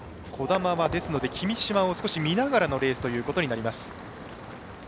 兒玉は、君嶋を見ながらのレースということになります。